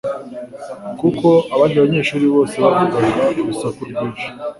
kuko abandi banyeshuri bose bavuzaga urusaku rwinshi